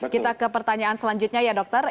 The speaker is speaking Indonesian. kita ke pertanyaan selanjutnya ya dokter